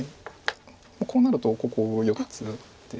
こうなるとここ４つで。